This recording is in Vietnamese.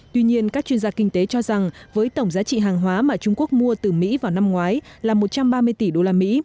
tuy nhiên các chuyên gia kinh tế cho rằng với tổng giá trị hàng hóa mà trung quốc mua từ mỹ vào năm ngoái là một trăm ba mươi tỷ usd